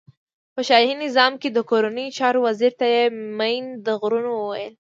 په شاهی نظام کی د کورنیو چارو وزیر ته یی مین د غرونو ویل.